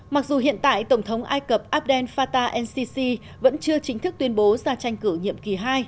mặc dù hiện tại tổng thống ai cập abdel fattah el sisi vẫn chưa chính thức tuyên bố ra tranh cử nhiệm kỳ hai